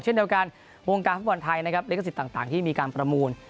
เช่นเดียวกันหุงการคุณภัยไทยหรือการสิทธิ์ต่างที่มีการประมูล